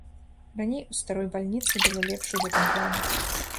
Раней у старой бальніцы было лепш у гэтым плане.